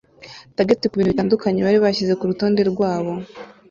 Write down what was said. Target kubintu bitandukanye bari bashyize kurutonde rwabo